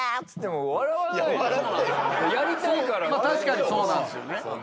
確かにそうなんすよね。